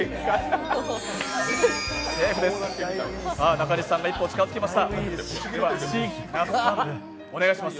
中西さんが一歩近づきました。